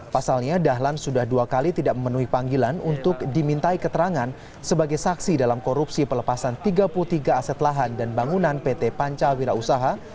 pasalnya dahlan sudah dua kali tidak memenuhi panggilan untuk dimintai keterangan sebagai saksi dalam korupsi pelepasan tiga puluh tiga aset lahan dan bangunan pt pancawira usaha